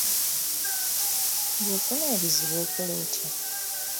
Bw’ofuna ebizibu okola otya?